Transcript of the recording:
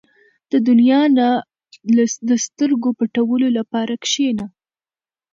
• د دنیا نه د سترګو پټولو لپاره کښېنه.